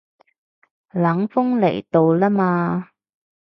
冷鋒嚟到啦嘛